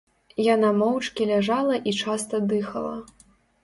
Яна моўчкі ляжала і часта дыхала.